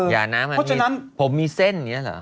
อย่านะผมมีเส้นอย่างนี้เหรอ